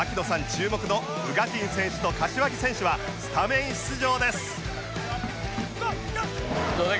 注目の宇賀神選手と柏木選手はスタメン出場です